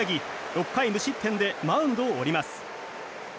６回無失点でマウンドを降ります。